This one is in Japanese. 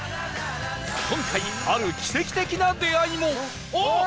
今回ある奇跡的な出会いも